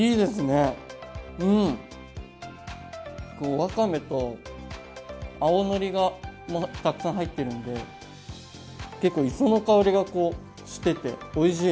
わかめと青のりがたくさん入ってるので結構磯の香りがしてておいしい！